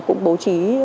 cũng bố trí